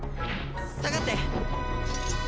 下がって！